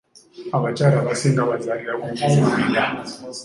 Abakyala abasinga bazaalira ku myezi mwenda.